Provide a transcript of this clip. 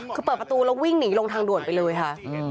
คือเปิดประตูแล้ววิ่งหนีลงทางด่วนไปเลยค่ะ